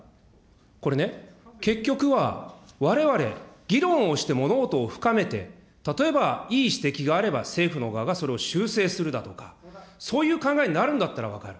これね、結局はわれわれ議論をして物事を深めて、例えばいい指摘があれば政府の側はそれを修正するだとか、そういう考えになるんだったら分かる。